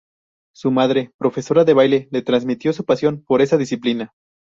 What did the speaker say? Su madre, profesora de baile, le transmitió su pasión por esa disciplina.